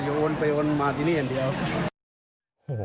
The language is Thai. อยู่วนไปวนมาที่นี่เดี๋ยว